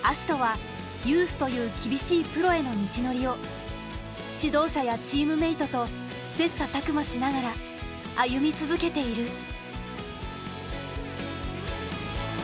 葦人はユースという厳しいプロへの道のりを指導者やチームメートと切磋琢磨しながら歩み続けている。